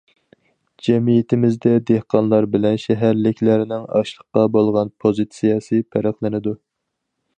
جەمئىيىتىمىزدە دېھقانلار بىلەن شەھەرلىكلەرنىڭ ئاشلىققا بولغان پوزىتسىيەسى پەرقلىنىدۇ.